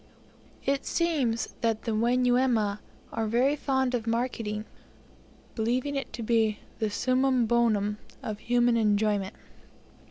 It seems that the Wamanyuema are very fond of marketing, believing it to be the summum bonum of human enjoyment.